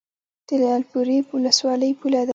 د لعل پورې ولسوالۍ پوله ده